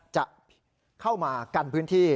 จะเข้ามากันพื้นที่